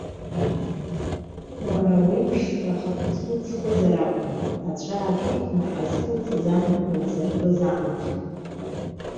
Уара уеиԥшҵәҟьа, ахаԥыцқәа ыҵхзар акәын, аҵәа ааҿыхны, ҳазхылҵыз ан илзыркыз амаҭ.